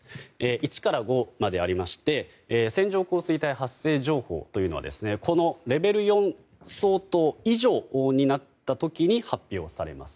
１から５までありまして線状降水帯発生情報というのはレベル４相当以上になった時に発表されます。